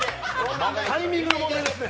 タイミングの問題ですね。